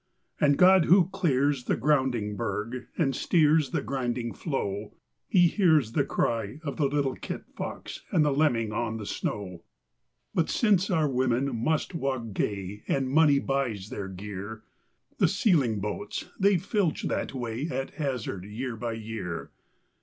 And God who clears the grounding berg and steers the grinding floe, He hears the cry of the little kit fox and the lemming on the snow. But since our women must walk gay and money buys their gear, The sealing boats they filch that way at hazard year by year.